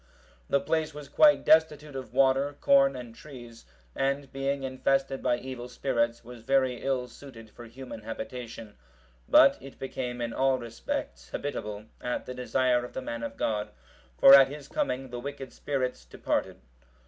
The place was quite destitute of water, corn, and trees; and being infested by evil spirits, was very ill suited for human habitation; but it became in all respects habitable, at the desire of the man of God; for at his coming the wicked spirits departed.